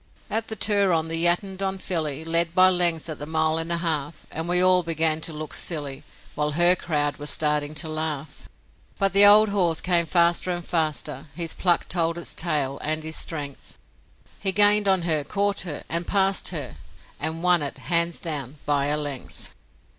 At the Turon the Yattendon filly Led by lengths at the mile and a half, And we all began to look silly, While HER crowd were starting to laugh; But the old horse came faster and faster, His pluck told its tale, and his strength, He gained on her, caught her, and passed her, And won it, hands down, by a length.